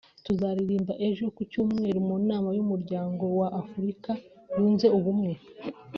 tuzaririmba ejo [ku Cyumweru] mu nama y’Umuryango wa Afurika yunze ubumwe